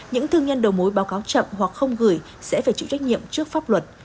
những thương nhân đầu mối báo cáo chậm hoặc không gửi sẽ phải chịu trách nhiệm trước pháp luật